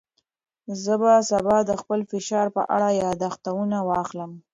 زه به سبا د خپل فشار په اړه یاداښتونه واخلم.